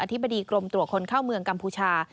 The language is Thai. ธิบดีกรมตรวจคนเข้าเมืองกัมพูชา